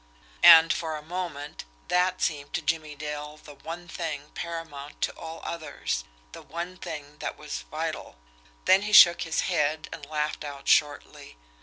And, for a moment, that seemed to Jimmie Dale the one thing paramount to all others, the one thing that was vital; then he shook his head, and laughed out shortly.